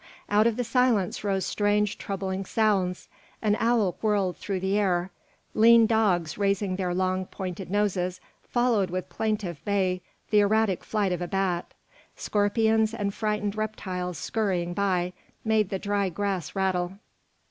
Out of the silence rose strange, troubling sounds: an owl whirled through the air, lean dogs, raising their long, pointed noses, followed with plaintive bay the erratic flight of a bat; scorpions and frightened reptiles scurrying by, made the dry grass rattle.